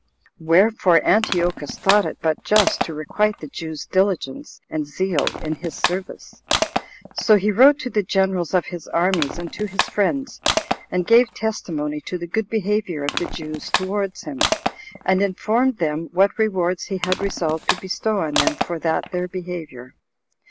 Wherefore Antiochus thought it but just to requite the Jews' diligence and zeal in his service. So he wrote to the generals of his armies, and to his friends, and gave testimony to the good behavior of the Jews towards him, and informed them what rewards he had resolved to bestow on them for that their behavior.